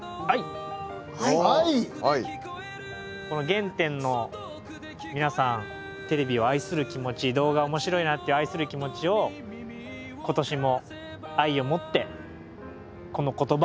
この原点の皆さんテレビを愛する気持ち動画面白いなって愛する気持ちを今年も愛を持ってこの言葉を書きました。